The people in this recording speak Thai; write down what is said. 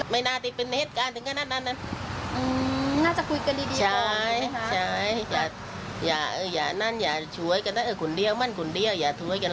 มันทุกกูยังแค่ฝีกันขึ้นมาค่ะ